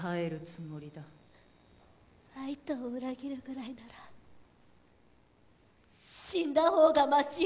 月を裏切るぐらいなら死んだ方がマシ。